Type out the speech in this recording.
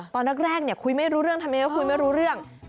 ตอนลักแรกเนี่ยคุยไม่รู้กันทำไมคุยไม่รู้เรื่อง